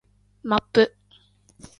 マップ